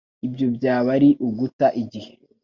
Ibyo byaba ari uguta igihe.